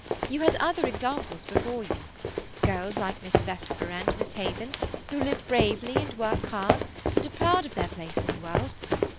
You had other examples before you—girls like Miss Vesper and Miss Haven, who live bravely and work hard and are proud of their place in the world.